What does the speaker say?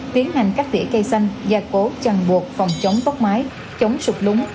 tiến hành cắt tỉa cây xanh gia cố chằn buộc phòng chống tóc máy chống sụp lúng